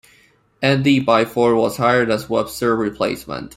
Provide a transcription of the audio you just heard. Andy Byford was hired as Webster's replacement.